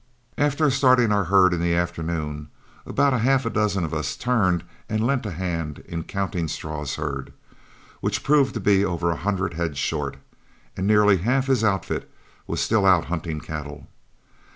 After starting our herd in the afternoon, about half a dozen of us turned back and lent a hand in counting Straw's herd, which proved to be over a hundred head short, and nearly half his outfit were still out hunting cattle.